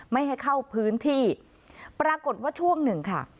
ไม่ให้เข้าพื้นที่ปรากฏว่าช่วงหนึ่งค่ะ